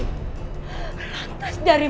lantas dari mana